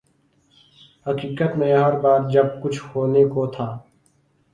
حقیقت میں ہر بار جب کچھ ہونے کو تھا۔